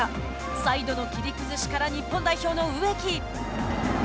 サイドの切り崩しから日本代表の植木。